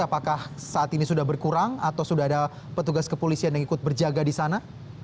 apakah saat ini sudah berkurang atau sudah ada petugas kepolisian yang ikut berjaga di sana